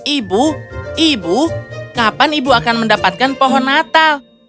ibu ibu kapan ibu akan mendapatkan pohon natal